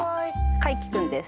カイキ君です